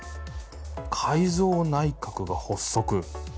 改造内閣が発足。